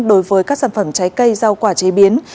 đối với các sản phẩm trái cây rau quả chế biến